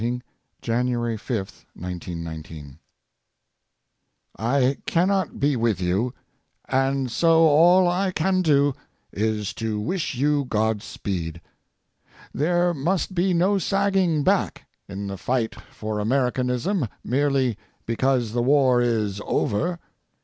'' The message in full was as follows : ^^I cannot be with you, and so all I can do is to wish you Godspeed. There must be no sagging back in the fight for Americanism merely because the war is over.